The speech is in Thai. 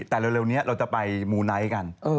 แต่เร็วนี้เราจะไปมูไนท์กัน